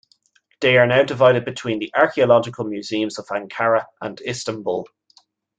They are now divided between the archaeological museums of Ankara and Istanbul.